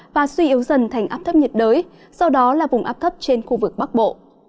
và suy yếu dần thành áp thấp nhiệt đới sau đó là vùng áp thấp trên khu vực bắc bộ